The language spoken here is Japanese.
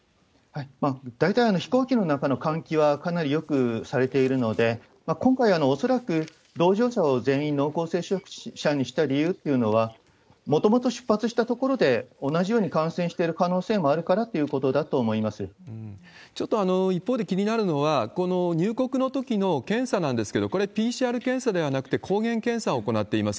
大体飛行機の中の換気はかなりよくされているので、今回、恐らく同乗者を全員濃厚接触者にした理由っていうのは、もともと出発したところで同じように感染している可能性もあるかちょっと一方で気になるのは、この入国のときの検査なんですけれども、これ、ＰＣＲ検査ではなくて、抗原検査を行っています。